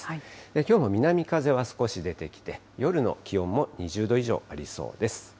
きょうも南風は少し出てきて、夜の気温も２０度以上ありそうです。